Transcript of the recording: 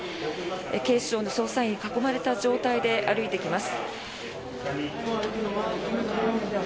警視庁の捜査員に囲まれた状態で歩いてきます。